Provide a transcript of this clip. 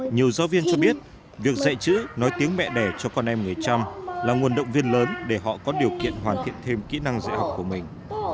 nhiều giáo viên cho biết việc dạy chữ nói tiếng mẹ đẻ cho con em người chăm là nguồn động viên lớn để họ có điều kiện hoàn thiện thêm kỹ năng dạy học của mình